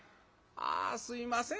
「あすいません